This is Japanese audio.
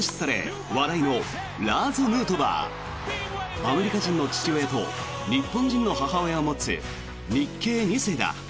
アメリカ人の父親と日本人の母親を持つ日系２世だ。